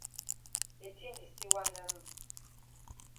De tin di still wanda me.